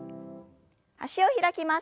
脚を開きます。